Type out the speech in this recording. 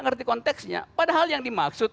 ngerti konteksnya padahal yang dimaksud